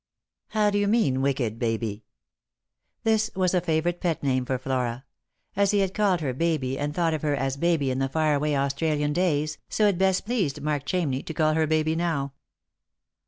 " How do you mean wicked, Baby ?" This was a favourite pet name for Flora. As he had called her Baby and thought of her as Baby in the far away Australian days, so it best pleased Mark Chamney to cail her Baby now.